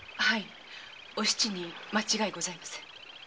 お七に間違いございません。